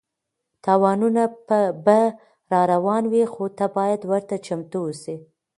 تاوانونه به راروان وي خو ته باید ورته چمتو اوسې.